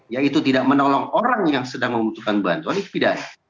yaitu tidak menolong orang yang sedang membutuhkan bantuan itu pidana